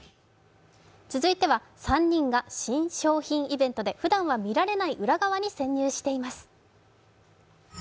続いては３人が新商品イベントでふだんは見られない裏側に潜入しています。